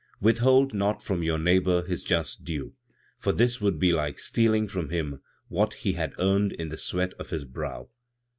"Withhold not from your neighbor his just due, for this would be like stealing from him what he had earned in the sweat of his brow.